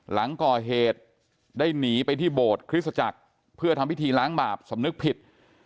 หลังก่อเหตุได้หนีไปที่โบสถคริสตจักรเพื่อทำพิธีล้างบาปสำนึกผิด